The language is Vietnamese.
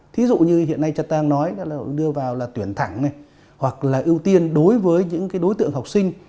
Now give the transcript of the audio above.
ví dụ như hiện nay trật tăng nói là đưa vào là tuyển thẳng này hoặc là ưu tiên đối với những cái đối tượng học sinh